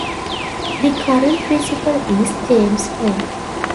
The current principal is James Hoit.